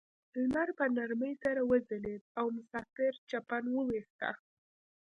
لمر په نرمۍ سره وځلید او مسافر چپن وویسته.